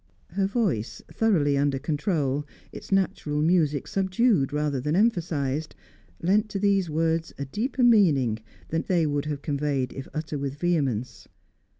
Her voice, thoroughly under control, its natural music subdued rather than emphasised, lent to these words a deeper meaning than they would have conveyed if uttered with vehemence.